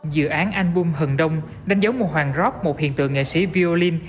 dự án album hừng đông đánh dấu một hoàng grob một hiện tượng nghệ sĩ violin